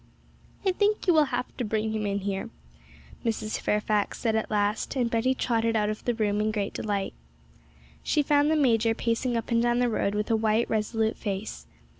'I think you will have to bring him in here,' Mrs. Fairfax said at last; and Betty trotted out of the room in great delight. She found the major pacing up and down the road with a white, resolute face.